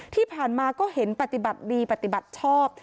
ที่ผ่านมาก็เห็นปฏิบัติดีปฏิบัติชอบ